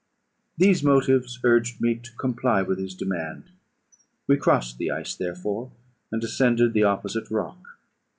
These motives urged me to comply with his demand. We crossed the ice, therefore, and ascended the opposite rock.